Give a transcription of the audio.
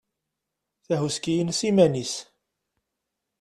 Takuski-ines iman-is.